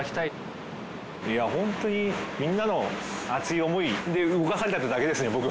いや本当にみんなの熱い思いで動かされたってだけですね